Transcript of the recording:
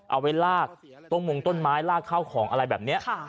เอาไว้ลากต้นมงต้นไม้ลากเข้าของอะไรแบบนี้